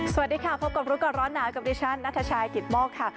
สวัสดีค่ะพบกับรู้ก่อนร้อนหนาวกับดิฉันนัทชายกิตโมกค่ะ